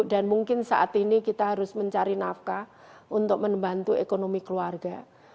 dan mungkin saat ini kita harus mencari nafkah untuk membantu ekonomi keluarga